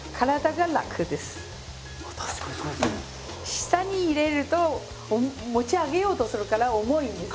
下に入れると持ち上げようとするから重いんですね。